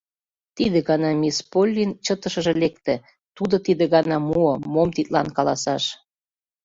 Тиде гана мисс Поллин чытышыже лекте, тудо тиде гана муо, мом тидлан каласаш.